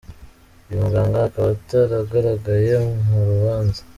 Uyu muganga akaba ataragaragaye mu rubanza.